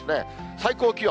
最高気温。